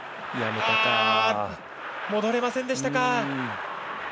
戻れませんでしたか。